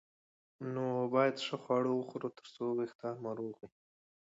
نو باید ښه خواړه وخورو ترڅو وېښتان مو روغ وي